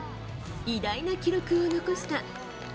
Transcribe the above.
偉大な記録を残した。